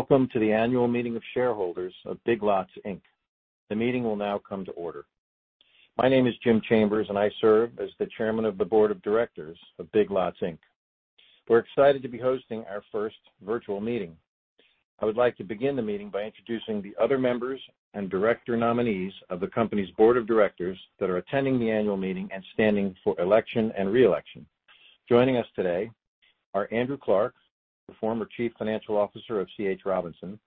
Welcome to the Annual Meeting of Shareholders of Big Lots, Inc. The meeting will now come to order. My name is Jim Chambers, and I serve as the Chairman of the Board of Directors of Big Lots, Inc. We're excited to be hosting our first virtual meeting. I would like to begin the meeting by introducing the other members and director nominees of the company's board of directors that are attending the annual meeting and standing for election and re-election. Joining us today are Andrew Clarke, the former Chief Financial Officer of C.H. Robinson,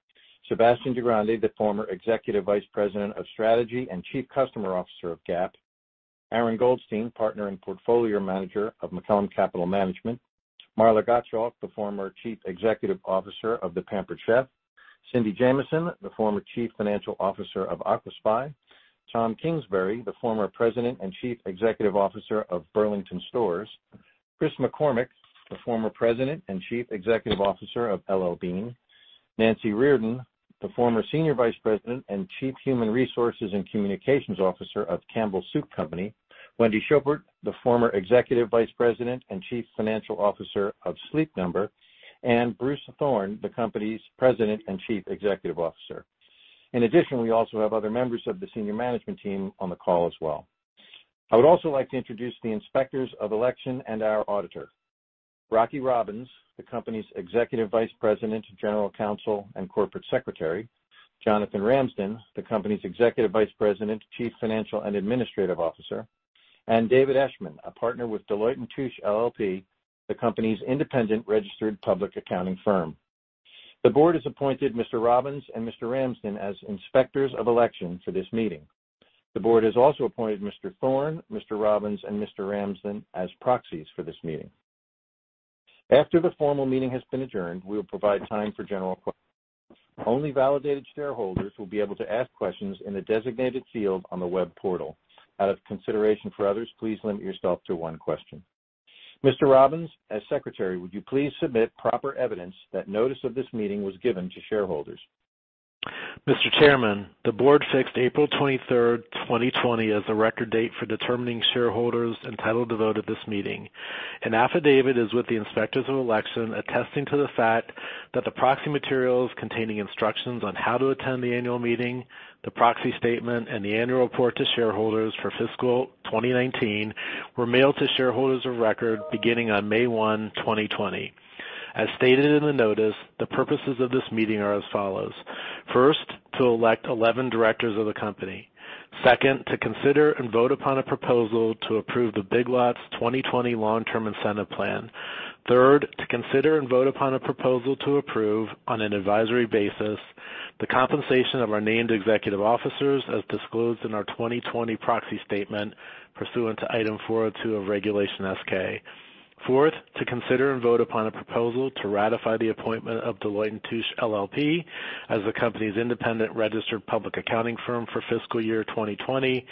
Sebastian DiGrande, the former Executive Vice President of Strategy and Chief Customer Officer of Gap, Aaron Goldstein, Partner and Portfolio Manager of Macellum Capital Management, Marla Gottschalk, the former Chief Executive Officer of The Pampered Chef, Cindy Jamison, the former Chief Financial Officer of AquaSpy, Tom Kingsbury, the former President and Chief Executive Officer of Burlington Stores, Chris McCormick, the former President and Executive Officer of L.L.Bean, Nancy Reardon, the former Senior Vice President and Chief Human Resources and Communications Officer of Campbell Soup Company, Wendy Schoppert, the former Executive Vice President and Chief Financial Officer of Sleep Number, and Bruce Thorn, the company's President and Chief Executive Officer. In addition, we also have other members of the senior management team on the call as well. I would also like to introduce the Inspectors of Election and our Auditor. Rocky Robins, the company's Executive Vice President, General Counsel, and Corporate Secretary, Jonathan Ramsden, the company's Executive Vice President, Chief Financial and Administrative Officer, and David Eshman, a Partner with Deloitte & Touche LLP, the company's independent registered public accounting firm. The board has appointed Mr. Robins and Mr. Ramsden as Inspectors of Election for this meeting. The board has also appointed Mr. Thorn, Mr. Robins, and Mr. Ramsden as proxies for this meeting. After the formal meeting has been adjourned, we will provide time for general questions. Only validated shareholders will be able to ask questions in the designated field on the web portal. Out of consideration for others, please limit yourself to one question. Mr. Robins, as Secretary, would you please submit proper evidence that notice of this meeting was given to shareholders? Mr. Chairman, the board fixed April 23rd, 2020, as the record date for determining shareholders entitled to vote at this meeting. An affidavit is with the Inspectors of Election attesting to the fact that the proxy materials containing instructions on how to attend the annual meeting, the proxy statement, and the annual report to shareholders for fiscal 2019 were mailed to shareholders of record beginning on May 1, 2020. As stated in the notice, the purposes of this meeting are as follows. First, to elect 11 directors of the company. Second, to consider and vote upon a proposal to approve the Big Lots 2020 Long-Term Incentive Plan. Third, to consider and vote upon a proposal to approve, on an advisory basis, the compensation of our named executive officers as disclosed in our 2020 proxy statement pursuant to Item 402 of Regulation S-K. Fourth, to consider and vote upon a proposal to ratify the appointment of Deloitte & Touche LLP as the company's independent registered public accounting firm for fiscal year 2020.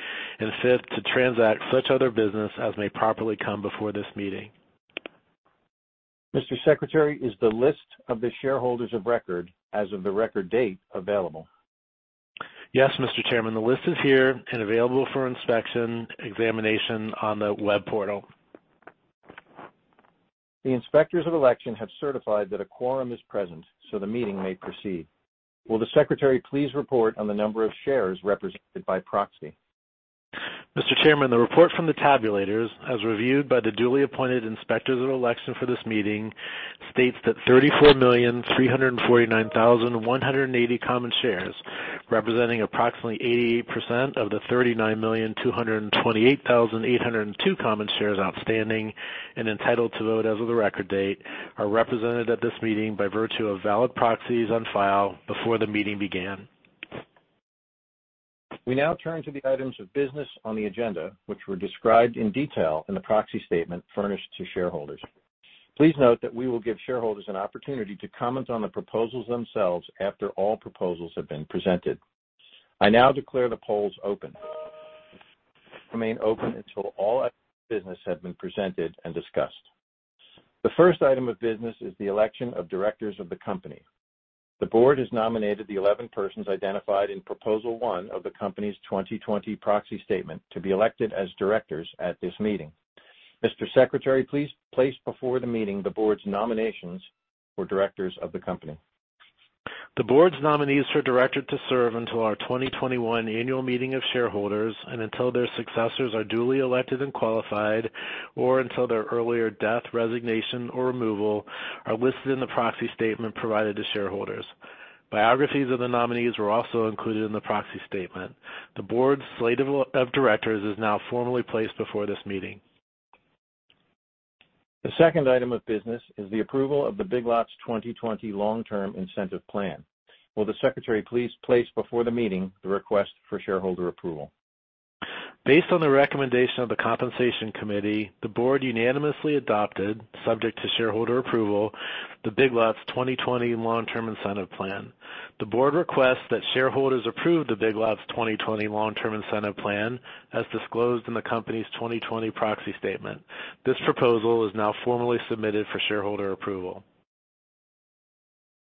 Fifth, to transact such other business as may properly come before this meeting. Mr. Secretary, is the list of the shareholders of record as of the record date available? Yes, Mr. Chairman. The list is here and available for inspection, examination on the web portal. The Inspectors of Election have certified that a quorum is present, so the meeting may proceed. Will the Secretary please report on the number of shares represented by proxy? Mr. Chairman, the report from the tabulators, as reviewed by the duly appointed Inspectors of Election for this meeting, states that 34,349,180 common shares, representing approximately 88% of the 39,228,802 common shares outstanding and entitled to vote as of the record date, are represented at this meeting by virtue of valid proxies on file before the meeting began. We now turn to the items of business on the agenda, which were described in detail in the proxy statement furnished to shareholders. Please note that we will give shareholders an opportunity to comment on the proposals themselves after all proposals have been presented. I now declare the polls open. They will remain open until all items of business have been presented and discussed. The first item of business is the election of directors of the company. The board has nominated the 11 persons identified in Proposal 1 of the company's 2020 proxy statement to be elected as directors at this meeting. Mr. Secretary, please place before the meeting the board's nominations for directors of the company. The board's nominees for director to serve until our 2021 annual meeting of shareholders and until their successors are duly elected and qualified, or until their earlier death, resignation, or removal, are listed in the proxy statement provided to shareholders. Biographies of the nominees were also included in the proxy statement. The board's slate of directors is now formally placed before this meeting. The second item of business is the approval of the Big Lots 2020 Long-Term Incentive Plan. Will the Secretary please place before the meeting the request for shareholder approval? Based on the recommendation of the Compensation Committee, the board unanimously adopted, subject to shareholder approval, the Big Lots 2020 Long-Term Incentive Plan. The board requests that shareholders approve the Big Lots 2020 Long-Term Incentive Plan as disclosed in the company's 2020 proxy statement. This proposal is now formally submitted for shareholder approval.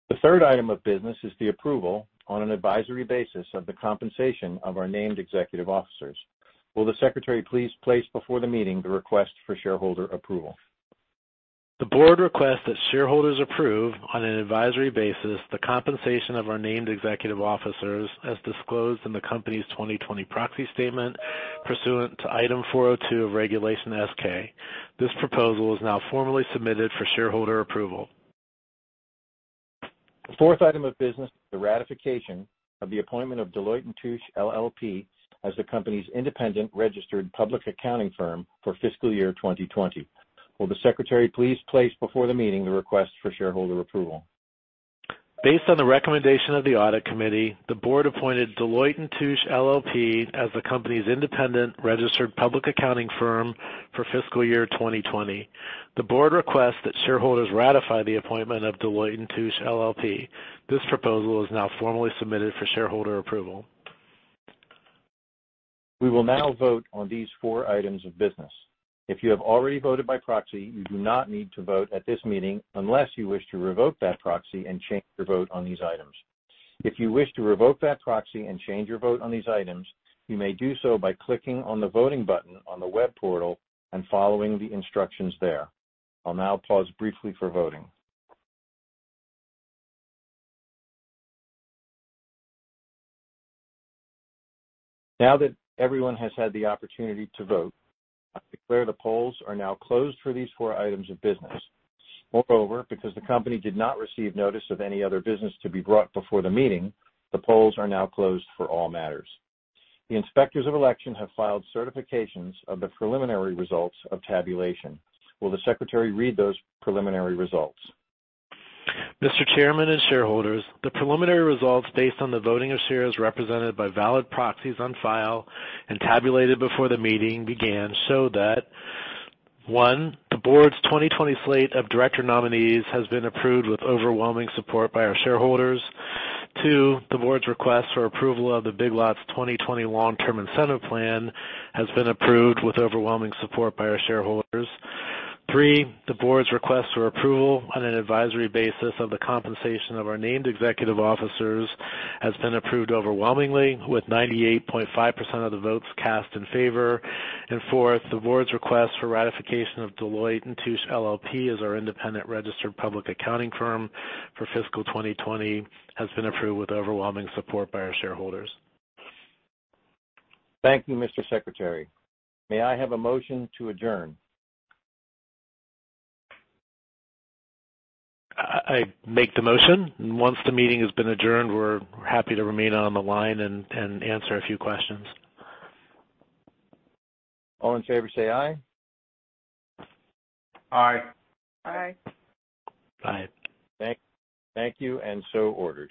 The third item of business is the approval on an advisory basis of the compensation of our named executive officers. Will the Secretary please place before the meeting the request for shareholder approval? The board requests that shareholders approve, on an an advisory basis, the compensation of our named executive officers as disclosed in the company's 2020 proxy statement pursuant to Item 402 of Regulation S-K. This proposal is now formally submitted for shareholder approval. The fourth item of business is the ratification of the appointment of Deloitte & Touche LLP as the company's independent registered public accounting firm for fiscal year 2020. Will the secretary please place before the meeting the request for shareholder approval? Based on the recommendation of the Audit Committee, the board appointed Deloitte & Touche LLP as the company's independent registered public accounting firm for fiscal year 2020. The board requests that shareholders ratify the appointment of Deloitte & Touche LLP. This proposal is now formally submitted for shareholder approval. We will now vote on these four items of business. If you have already voted by proxy, you do not need to vote at this meeting unless you wish to revoke that proxy and change your vote on these items. If you wish to revoke that proxy and change your vote on these items, you may do so by clicking on the voting button on the web portal and following the instructions there. I'll now pause briefly for voting. Now that everyone has had the opportunity to vote, I declare the polls are now closed for these four items of business. Moreover, because the company did not receive notice of any other business to be brought before the meeting, the polls are now closed for all matters. The Inspectors of Election have filed certifications of the preliminary results of tabulation. Will the secretary read those preliminary results? Mr. Chairman and shareholders, the preliminary results, based on the voting of shares represented by valid proxies on file and tabulated before the meeting began, show that, one, the board's 2020 slate of director nominees has been approved with overwhelming support by our shareholders. Two, the board's request for approval of the Big Lots 2020 Long-Term Incentive Plan has been approved with overwhelming support by our shareholders. Three, the board's request for approval on an advisory basis of the compensation of our named executive officers has been approved overwhelmingly, with 98.5% of the votes cast in favor. Fourth, the board's request for ratification of Deloitte & Touche LLP as our independent registered public accounting firm for fiscal 2020 has been approved with overwhelming support by our shareholders. Thank you, Mr. Secretary. May I have a motion to adjourn? I make the motion. Once the meeting has been adjourned, we're happy to remain on the line and answer a few questions. All in favor say aye. Aye. Aye. Aye. Thank you, ordered.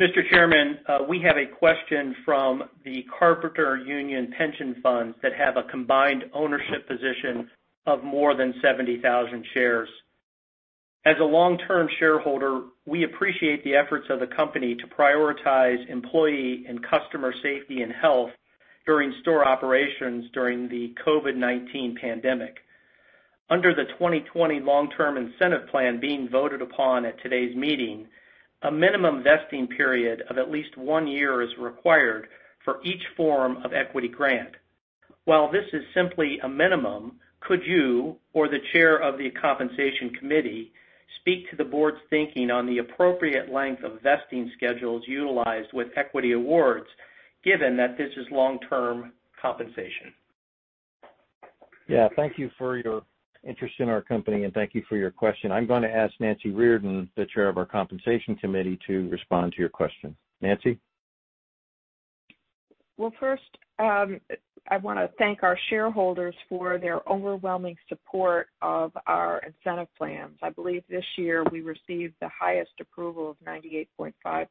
Mr. Chairman, we have a question from the Carpenters Union Pension Funds that have a combined ownership position of more than 70,000 shares. As a long-term shareholder, we appreciate the efforts of the company to prioritize employee and customer safety and health during store operations during the COVID-19 pandemic. Under the 2020 Long-Term Incentive Plan being voted upon at today's meeting, a minimum vesting period of at least one year is required for each form of equity grant. While this is simply a minimum, could you or the chair of the Compensation Committee speak to the board's thinking on the appropriate length of vesting schedules utilized with equity awards, given that this is long-term compensation? Yeah. Thank you for your interest in our company, and thank you for your question. I'm going to ask Nancy Reardon, the Chair of our Compensation Committee, to respond to your question. Nancy? Well, first, I want to thank our shareholders for their overwhelming support of our incentive plans. I believe this year we received the highest approval of 98.5%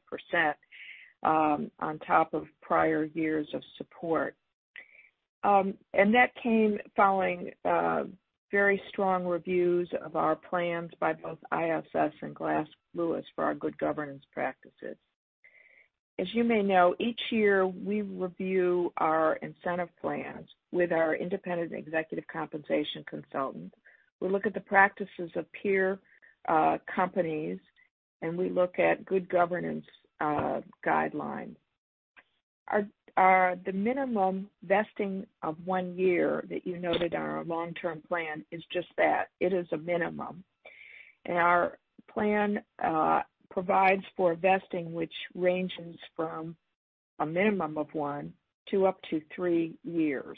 on top of prior years of support. That came following very strong reviews of our plans by both ISS and Glass Lewis for our good governance practices. As you may know, each year we review our incentive plans with our independent executive compensation consultant. We look at the practices of peer companies, and we look at good governance guidelines. The minimum vesting of one year that you noted on our long-term plan is just that. It is a minimum. Our plan provides for vesting, which ranges from a minimum of one to up to three years.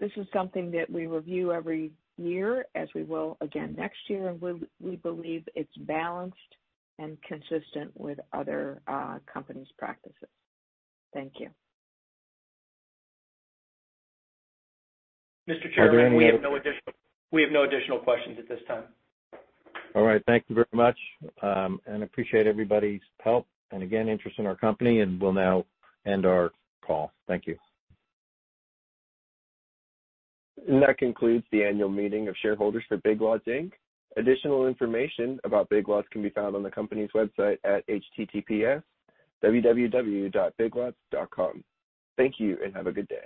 This is something that we review every year as we will again next year, and we believe it's balanced and consistent with other companies' practices. Thank you. Mr. Chairman. Are there any other- We have no additional questions at this time. All right. Thank you very much, and appreciate everybody's help and again, interest in our company, and we'll now end our call. Thank you. That concludes the Annual Meeting of Shareholders for Big Lots, Inc. Additional information about Big Lots can be found on the company's website at https://www.biglots.com. Thank you, and have a good day.